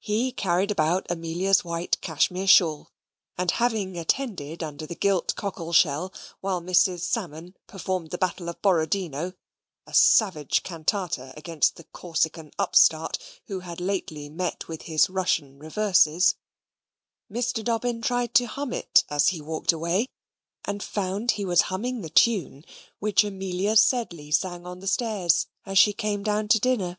He carried about Amelia's white cashmere shawl, and having attended under the gilt cockle shell, while Mrs. Salmon performed the Battle of Borodino (a savage cantata against the Corsican upstart, who had lately met with his Russian reverses) Mr. Dobbin tried to hum it as he walked away, and found he was humming the tune which Amelia Sedley sang on the stairs, as she came down to dinner.